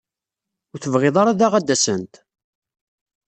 Ur tebɣid ara daɣ ad d-asent?